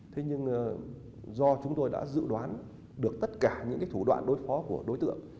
thế nhưng do chúng tôi đã dự đoán được tất cả những thủ đoạn đối phó của đối tượng